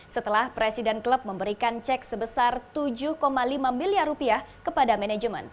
setelah presiden klub memberikan cek sebesar tujuh lima miliar rupiah kepada manajemen